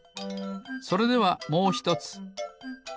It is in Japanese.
それではもうひとつ。